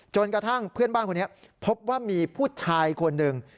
จนกระทั่งเพื่อนบ้านคนนี้พบว่ามีผู้ชายคนหนึ่ง